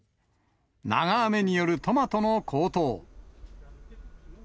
長雨によるトマトの高騰。